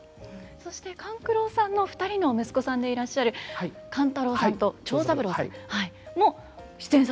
そして勘九郎さんの２人の息子さんでいらっしゃる勘太郎さんと長三郎さんも出演されると。